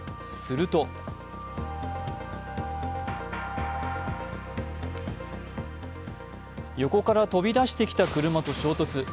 すると横から飛び出してきた車と衝突。